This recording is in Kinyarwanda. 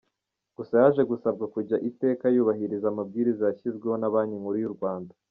Gusa yaje gusabwa kujya iteka yubahiriza amabwiriza yashyizweho na Banki Nkuru y’u Rwanda.